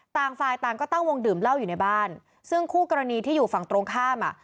ต่างฝ่ายต่างก็ตั้งวงดื่มเหล้าอยู่ในบ้านซึ่งคู่กรณีที่อยู่ฝั่งตรงข้ามอ่ะ